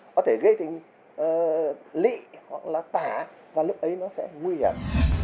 có thể gây tình lị hoặc là tả và lúc ấy nó sẽ nguy hiểm